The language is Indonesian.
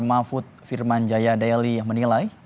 mahfud firman jaya daeli menilai